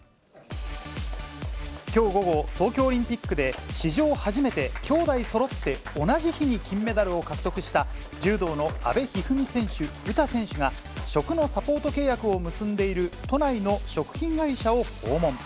きょう午後、東京オリンピックで史上初めて兄妹そろって同じ日に金メダルを獲得した、柔道の阿部一二三選手、詩選手が、食のサポート契約を結んでいる都内の食品会社を訪問。